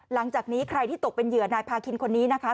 หลังจากนี้ใครที่ตกเป็นเหยื่อนายพาคินคนนี้นะคะ